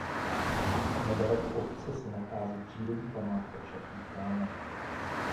Nedaleko obce se nachází přírodní památka Čertův kámen.